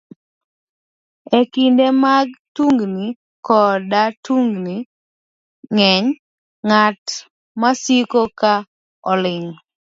E kinde ma tungni koda tungni ng'eny, ng'at masiko ka oling'